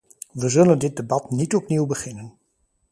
We zullen dit debat niet opnieuw beginnen.